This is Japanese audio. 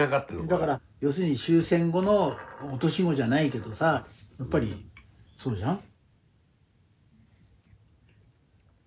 だから要するに終戦後の落とし子じゃないけどさやっぱりそうじゃん？